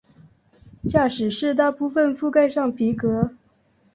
驾驶室大部份覆盖上皮革。